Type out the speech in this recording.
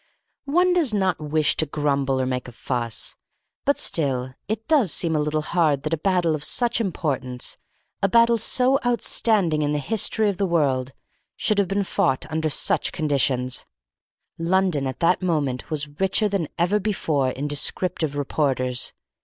One does not wish to grumble or make a fuss, but still it does seem a little hard that a battle of such importance, a battle so outstanding in the history of the world, should have been fought under such conditions. London at that moment was richer than ever before in descriptive reporters.